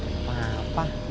gak ada apa apa